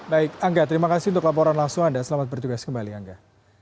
baik angga terima kasih untuk laporan langsung anda selamat bertugas kembali angga